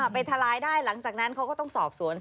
ทลายได้หลังจากนั้นเขาก็ต้องสอบสวน